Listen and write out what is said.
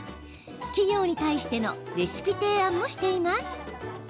企業に対してのレシピ提案もしています。